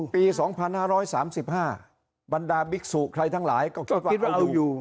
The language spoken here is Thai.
ปี๒๕๓๕บรรดาบิ๊กสุใครทั้งหลายก็คิดว่าเราอยู่